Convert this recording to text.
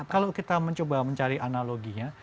karena kalau kita mencoba mencari analoginya